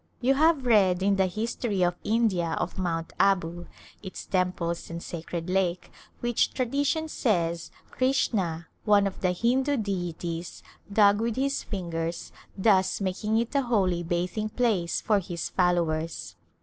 You have read in the history of India of Mount Abu, its temples and sacred lake, which tradition says Krishna, one of the Hindu deities, dug with his fingers, thus making it a holy bathing place for his followers.